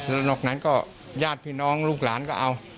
แล้วนอกนั้นก็ญาติพี่น้องลูกหลานก็เอา